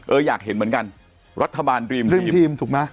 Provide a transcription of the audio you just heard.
เอออยากเห็นเหมือนกันรัฐบาลดีมดรีมทีมถูกมั้ย